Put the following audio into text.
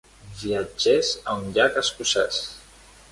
Viatgés a un llac escocès.